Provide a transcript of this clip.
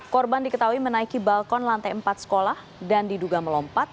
korban diketahui menaiki balkon lantai empat sekolah dan diduga melompat